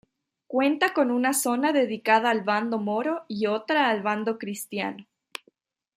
Cuenta con una zona dedicada al bando moro y otro al bando cristiano.